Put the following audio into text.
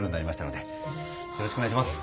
よろしくお願いします。